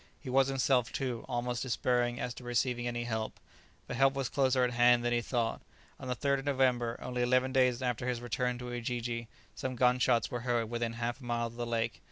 He was himself, too, almost despairing as to receiving any help. But help was closer at hand than he thought. On the 3rd of November, only eleven days after his return to Ujiji, some gun shots were heard within half a mile of the lake.